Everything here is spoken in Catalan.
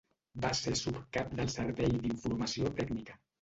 Va ser subcap del Servei d'Informació Tècnica.